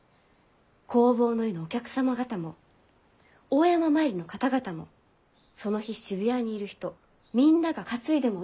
弘法湯のお客様方も大山参りの方々もその日渋谷にいる人みんなが担いでもいい。